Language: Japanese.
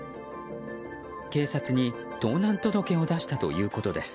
警察に盗難届を出したということです。